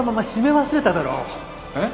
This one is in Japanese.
えっ？